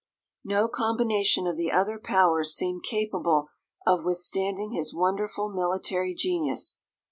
No combination of the other Powers seemed capable of withstanding his wonderful military genius.